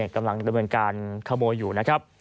กำลังดำเนินการขโมยอยู่นะครับ